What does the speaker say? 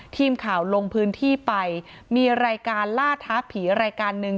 ทีมข่าวลงพื้นที่ไปมีรายการล่าท้าผีรายการหนึ่ง